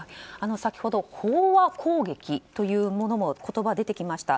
先ほど飽和攻撃という言葉が出てきました。